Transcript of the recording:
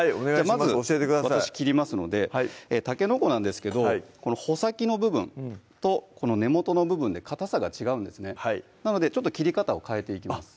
まず私切りますのでたけのこなんですけどこの穂先の部分とこの根元の部分でかたさが違うんですねなのでちょっと切り方を変えていきます